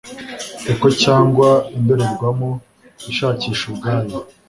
echo cyangwa indorerwamo ishakisha ubwayo